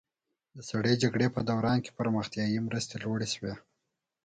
د سړې جګړې په دوران کې پرمختیایي مرستې لوړې شوې.